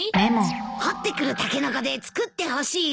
掘ってくるタケノコで作ってほしい料理だよ。